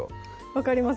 分かります